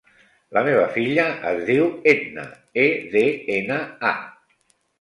La meva filla es diu Edna: e, de, ena, a.